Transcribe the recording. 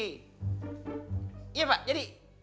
iya pak jadi